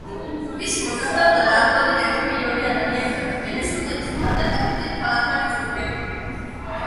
მისი მოსახლეობა დაახლოებით ერთი მილიონი ადამიანია და ვენესუელის სტანდარტებით დიდ ქალაქთა რიცხვს მიეკუთვნება.